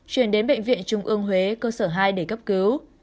chuyển đến bệnh viện trung ương huế cơ sở hai để cấp cứu